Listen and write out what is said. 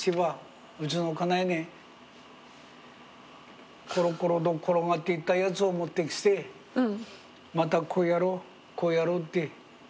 うちの家内にコロコロと転がっていったやつを持ってきて「またこうやろうこうやろう」って。